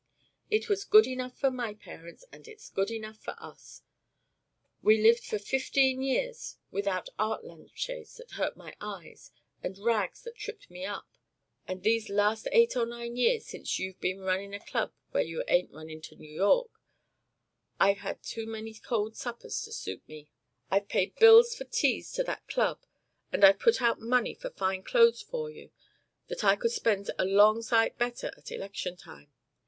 It was good enough for my parents, and it's good enough for us. We lived for fifteen years without art lampshades that hurt my eyes, and rugs that trip me up; and these last eight or nine years, since you've been runnin' a club when you ain't runnin' to New York, I've had too many cold suppers to suit me; I've paid bills for 'teas' to that Club and I've put out money for fine clothes for you that I could spend a long sight better at election time.